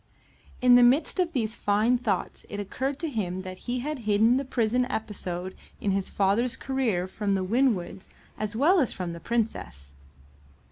In the midst of these fine thoughts it occurred to him that he had hidden the prison episode in his father's career from the Winwoods as well as from the Princess.